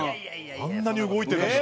あんなに動いてた。